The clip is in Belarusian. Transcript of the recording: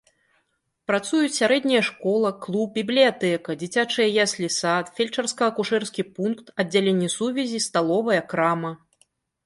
Працуюць сярэдняя школа, клуб, бібліятэка, дзіцячыя яслі-сад, фельчарска-акушэрскі пункт, аддзяленне сувязі, сталовая, крама.